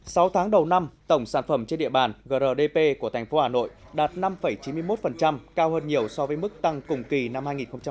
sau tháng đầu năm tổng sản phẩm trên địa bàn grdp của thành phố hà nội đạt năm chín mươi một cao hơn nhiều so với mức tăng cùng kỳ năm hai nghìn một mươi tám